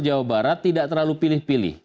jawa barat tidak terlalu pilih pilih